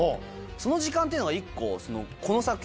その時間っていうのが１個。